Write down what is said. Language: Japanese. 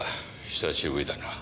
久しぶりだな。